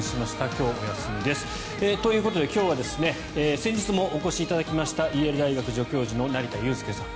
今日、お休みです。ということで今日は先日もお越しいただきましたイェール大学助教授の成田悠輔さん